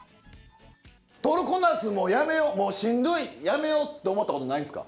トルコナスもうやめようもうしんどいやめようって思ったことないですか？